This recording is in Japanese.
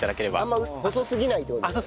あんま細すぎないって事だよね。